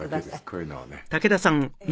こういうのをね。